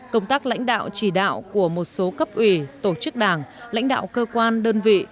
công tác lãnh đạo chỉ đạo của một số cấp ủy tổ chức đảng lãnh đạo cơ quan đơn vị